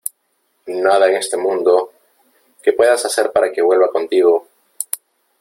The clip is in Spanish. nada en este mundo , que puedas hacer para que vuelva contigo .